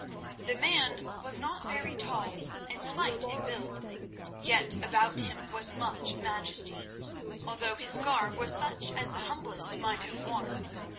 The man was not very tall, and slight in build, yet about him was much majesty, although his garb was such as the humblest might have worn.